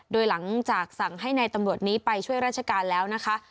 โดยหลังจากสั่งให้นายตำรวจนี้ไปช่วยราชการแล้วนะคะ